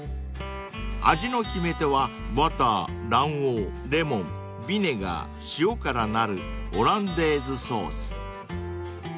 ［味の決め手はバター卵黄レモンビネガー塩からなるオランデーズソース］